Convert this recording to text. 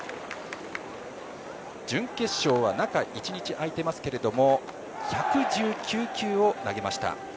準決勝は中１日空いていますけれども１１９球を投げました。